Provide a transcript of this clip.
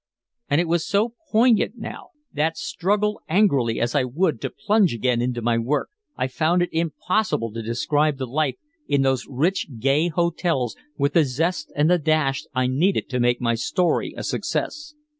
And it was so poignant now, that struggle angrily as I would to plunge again into my work, I found it impossible to describe the life in those rich gay hotels with the zest and the dash I needed to make my story a success.